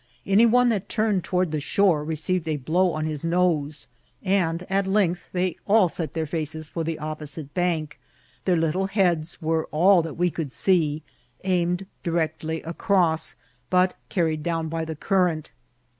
Any one that turn ed toward the shore received a blow on his nose, and at length they all set their faces for the opposite bank ; their little heads were all that we could see, aimed di rectly across, but carried down by the current.